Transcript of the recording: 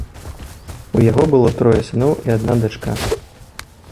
У яго было трое сыноў і адна дачка.